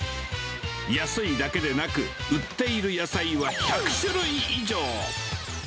安いだけでなく、売っている野菜は１００種類以上。